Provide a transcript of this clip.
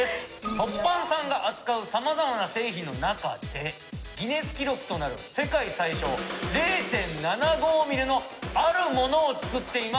凸版さんが扱う様々な製品の中でギネス記録となる世界最小０．７５ミリのあるものを作っています。